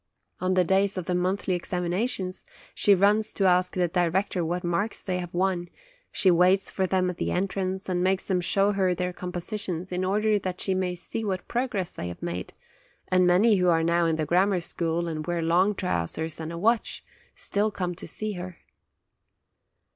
On the days of the monthly examinations, she runs to ask the director what marks they have won; she waits for them at the entrance, and makes them show her their compositions, in order that she may see what progress they have made; and many, who are now in the grammar school and wear long trousers and a watch, still come to see her.